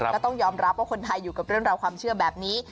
ก็ต้องยอมรับว่าคนไทยอยู่กับเรื่องราวความเชื่อแบบนี้